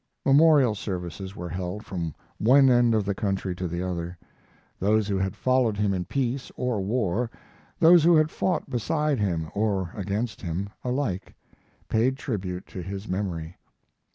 Memorial services were held from one end of the country to the other. Those who had followed him in peace or war, those who had fought beside him or against him, alike paid tribute to his memory.